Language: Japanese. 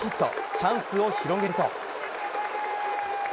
チャンスを広げると。